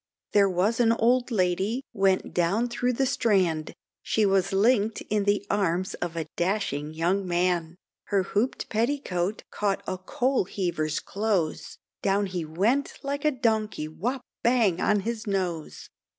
There was an old lady went down through the Strand, She was linked in the arms of a dashing young man, Her hooped petticoat caught a coal heaver's clothes. Down he went like a donkey wop bang on his nose.